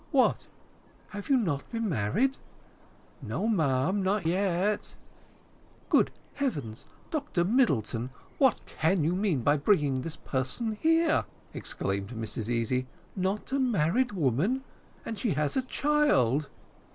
"What, have you not been married?" "No, ma'am, not yet." "Good heavens! Dr Middleton, what can you mean by bringing this person here?" exclaimed Mrs Easy. "Not a married woman, and she has a child!"